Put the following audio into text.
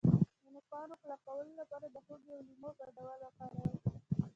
د نوکانو کلکولو لپاره د هوږې او لیمو ګډول وکاروئ